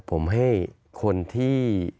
ผมให้คนที่